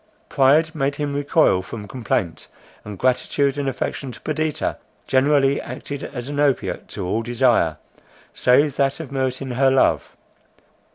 Pride made him recoil from complaint; and gratitude and affection to Perdita, generally acted as an opiate to all desire, save that of meriting her love.